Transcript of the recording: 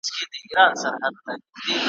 چي راجلا یم له شنو سیندونو ,